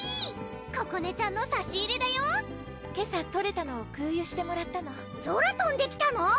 ここねちゃんのさし入れだよ今朝とれたのを空輸してもらったの空とんできたの？